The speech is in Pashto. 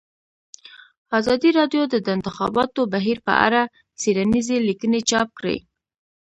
ازادي راډیو د د انتخاباتو بهیر په اړه څېړنیزې لیکنې چاپ کړي.